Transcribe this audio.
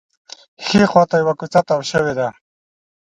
ښي خوا ته یوه کوڅه تاوه شوې ده.